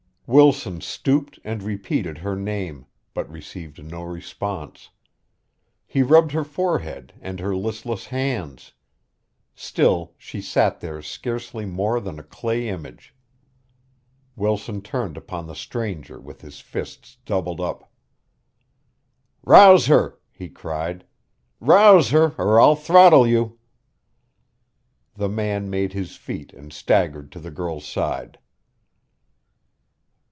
Wilson stooped and repeated her name, but received no response. He rubbed her forehead and her listless hands. Still she sat there scarcely more than a clay image. Wilson turned upon the stranger with his fists doubled up. "Rouse her!" he cried. "Rouse her, or I'll throttle you!" The man made his feet and staggered to the girl's side.